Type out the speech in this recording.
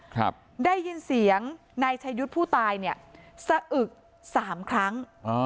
ครับได้ยินเสียงนายชายุทธ์ผู้ตายเนี่ยสะอึกสามครั้งอ๋อ